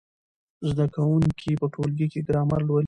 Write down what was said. زده کوونکي په ټولګي کې ګرامر لولي.